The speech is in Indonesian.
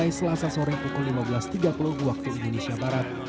selesai selasa sore pukul lima belas tiga puluh waktu indonesia barat